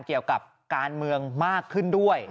เกี่ยวกับการเมืองมากขึ้นด้วย